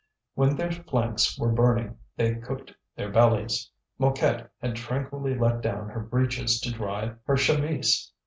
When their flanks were burning they cooked their bellies. Mouquette had tranquilly let down her breeches to dry her chemise.